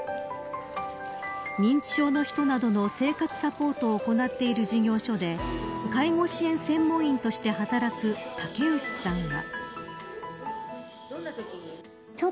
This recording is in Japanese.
認知症の人などの生活サポートを行っている事業所で介護支援専門員として働く竹内さんは。